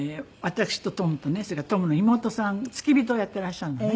それからトムの妹さん付き人をやっていらっしゃるのね。